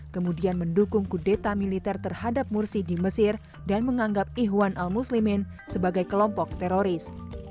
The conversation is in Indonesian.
kemudian mendukung kudeta militer terhadap mursi di mesir dan menganggap ihwan al muslimin sebagai kelompok teroris